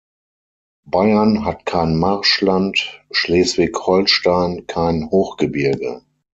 Bayern hat kein Marschland, Schleswig-Holstein kein Hochgebirge.